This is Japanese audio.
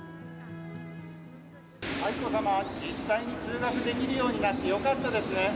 愛子さま、実際に通学できるようになってよかったですね。